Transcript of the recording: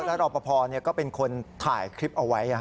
แล้วรอปภก็เป็นคนถ่ายคลิปเอาไว้